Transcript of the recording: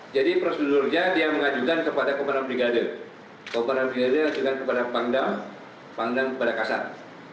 jadi prosedurnya dia mengajukan kepada komandan brigade komandan brigade mengajukan kepada panglima panglima kepada kasar